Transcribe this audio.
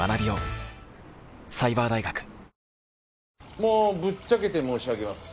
もうぶっちゃけて申し上げます。